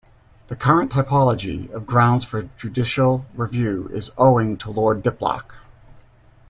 The current typology of grounds for judicial review is owing to Lord Diplock.